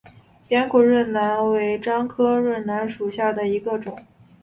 扁果润楠为樟科润楠属下的一个种。